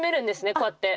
こうやって。